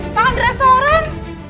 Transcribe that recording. makan di restoran